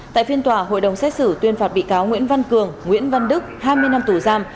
tại phiên tòa hội đồng xét xử tuyên phạt bị cáo nguyễn văn cường nguyễn văn đức hai mươi năm tù giam